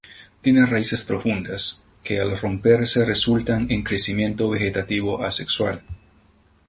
Tiene raíces profundas, que al romperse resultan en crecimiento vegetativo asexual.